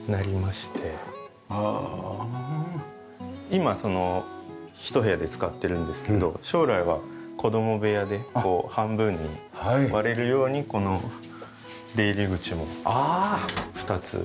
今そのひと部屋で使ってるんですけど将来は子供部屋で半分に割れるようにこの出入り口も２つ。